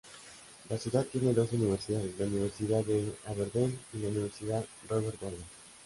La ciudad tiene dos universidades, la Universidad de Aberdeen y la Universidad Robert Gordon.